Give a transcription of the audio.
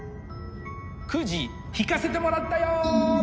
くじ引かせてもらったよ！